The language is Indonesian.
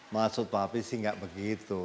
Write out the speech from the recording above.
maksud papi sih gak begitu